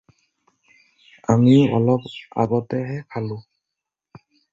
আমিও অলপ আগতেহে খালোঁ।